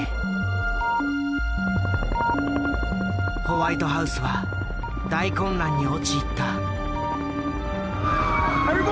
ホワイトハウスは大混乱に陥った。